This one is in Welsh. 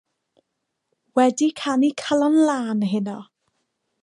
Wedi canu Calon Lân heno.